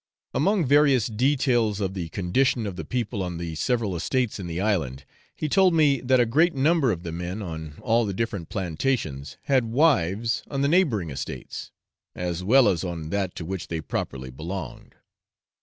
Among various details of the condition of the people on the several estates in the island, he told me that a great number of the men on all the different plantations had wives on the neighbouring estates, as well as on that to which they properly belonged.